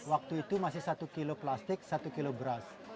waktu itu masih satu kilo plastik satu kilo beras